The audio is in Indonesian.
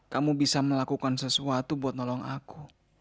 kamu bisa melakukan sesuatu buat nolong aku